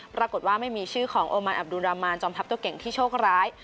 ปรากฏว่าไม่มีชื่อของโอมันอับดูรามานจอมทัพตัวเก่งที่โชคร้าย